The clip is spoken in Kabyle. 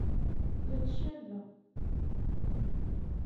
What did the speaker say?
La ttcabeɣ!